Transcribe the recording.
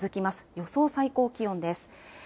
予想最高気温です。